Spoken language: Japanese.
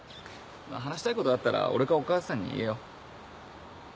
話したいことあったら俺かお母さんに言えよ。